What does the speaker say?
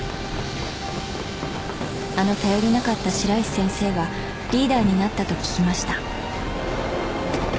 「あの頼りなかった白石先生がリーダーになったと聞きました」